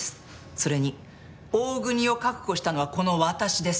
それに大國を確保したのはこの私です。